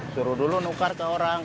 suruh dulu nukar ke orang